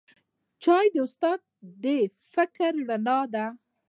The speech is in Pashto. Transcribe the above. چای د استاد د فکر رڼا ده